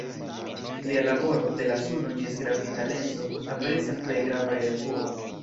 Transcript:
Lia laboro, de la Suno ĝis gravita lenso, aperis en plej gravaj revuo.